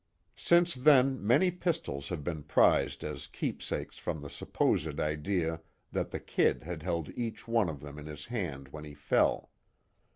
Since then many pistols have been prized as keepsakes from the supposed idea that the "Kid" had held each one of them in his hand when he fell.